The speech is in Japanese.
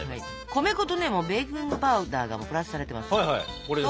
米粉とベーキングパウダーがプラスされてますので。